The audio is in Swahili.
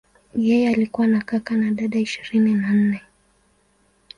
Yeye alikuwa na kaka na dada ishirini na nne.